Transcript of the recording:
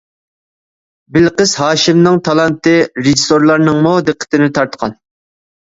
بېلىقىز ھاشىمنىڭ تالانتى رېژىسسورلارنىڭمۇ دىققىتىنى تارتقان.